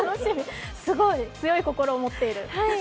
すごい！強い心を持っている。